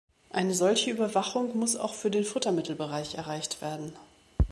Eine solche Überwachung muss auch für den Futtermittelbereich erreicht werden.